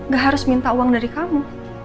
gak harus minta uang dari kamu